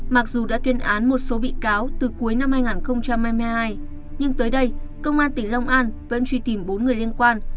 mặc dù đã tuyên án một số bị cáo từ cuối năm hai nghìn hai mươi hai nhưng tới đây công an tỉnh long an vẫn truy tìm bốn người liên quan